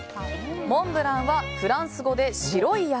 モンブランはフランス語で白い山。